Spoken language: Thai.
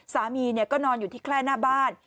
สามีก็นอนอยู่ที่แคล่หน้าบ้าน